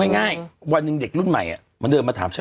ง่ายวันหนึ่งเด็กรุ่นใหม่มันเดินมาถามฉัน